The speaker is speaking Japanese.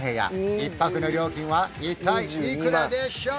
１泊の料金は一体いくらでしょう？